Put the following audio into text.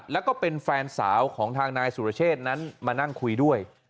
แล้วก็เป็นแฟนสาวของทางนายสุรเชษนั้นมานั่งคุยด้วย